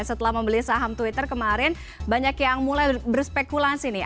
setelah membeli saham twitter kemarin banyak yang mulai berspekulasi nih